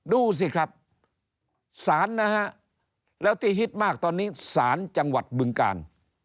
ดูสิครับสารนะฮะแล้วที่ฮิตมากตอนนี้สารจังหวัดบึงกาล